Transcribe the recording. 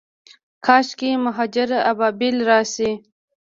کاشکي مهاجر ابابیل راشي